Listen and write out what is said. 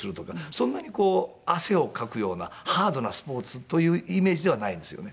そんなに汗をかくようなハードなスポーツというイメージではないんですよね。